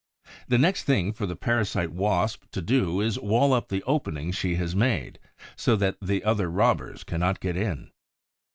The next thing for the parasite Wasp to do is to wall up the opening she has made, so that other robbers cannot get in.